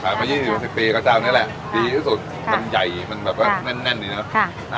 ขายมายี่สิบหกสิบปีก็เจ้านี่แหละดีที่สุดค่ะมันใหญ่มันแบบว่าแน่นแน่นดีเนอะค่ะ